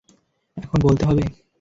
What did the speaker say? এখন বলতে হবে?